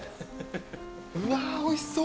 うわおいしそう。